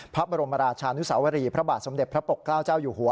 พระบรมราชานุสาวรีพระบาทสมเด็จพระปกเกล้าเจ้าอยู่หัว